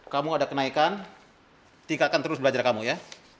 kamu ada kenaikan tingkatkan terus belajar kamu ya